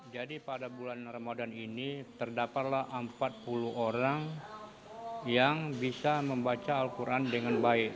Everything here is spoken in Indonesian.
jadi pada bulan ramadan ini terdapatlah empat puluh orang yang bisa membaca al quran dengan baik